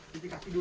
sisi kaki dulu